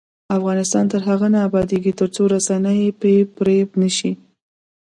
افغانستان تر هغو نه ابادیږي، ترڅو رسنۍ بې پرې نشي.